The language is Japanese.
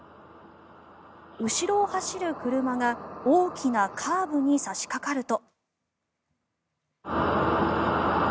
後ろを走る車が大きなカーブに差しかかると。